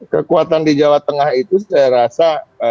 kekuatan di jawa tengah itu saya rasa